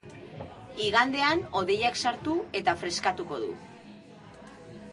Igandean hodeiak sartu eta freskatuko du.